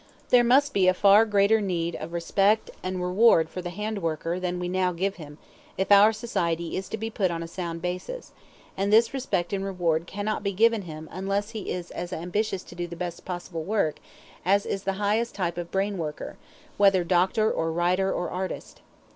There must be a far greater meed of respect and reward for the hand worker than we now give him, if our society is to be put on a sound basis; and this respect and reward cannot be given him unless he is as ambitious to do the best possible work as is the highest type of brain worker, whether doctor or writer or artist.